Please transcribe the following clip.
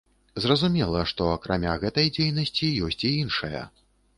Зразумела, што акрамя гэтай дзейнасці ёсць і іншая.